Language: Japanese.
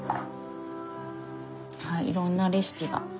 はいいろんなレシピが。